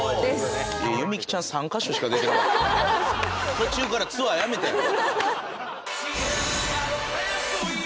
途中からツアーやめたやん。